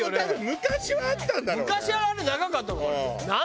昔はあれ長かったのかな？